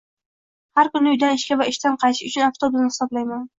Har kuni uydan ishga va ishdan qaytish uchun avtobusni hisoblayman